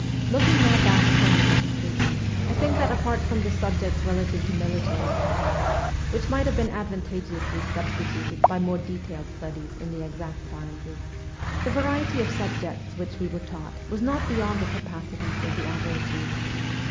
Looking now back upon this education I think that apart from the subjects relative to military warfare, which might have been advantageously substituted by more detailed studies in the exact sciences, the variety of subjects which we were taught was not beyond the capacities of the average youth.